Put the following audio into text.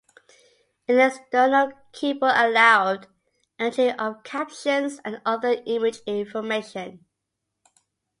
An external keyboard allowed entry of captions and other image information.